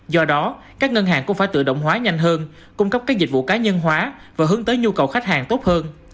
do đó các ngân hàng cũng phải tự động hóa nhanh hơn cung cấp các dịch vụ cá nhân hóa và hướng tới nhu cầu khách hàng tốt hơn